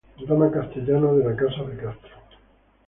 Dama castellana de la Casa de Castro.